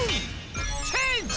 チェンジ！